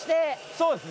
そうですね。